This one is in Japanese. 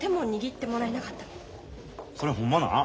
それホンマなん？